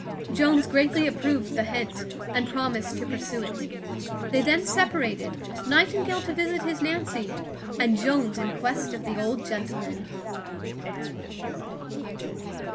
Jones greatly approved the hint, and promised to pursue it. They then separated, Nightingale to visit his Nancy, and Jones in quest of the old gentleman.